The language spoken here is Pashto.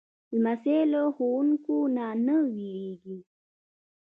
لمسی له ښوونکو نه نه وېرېږي.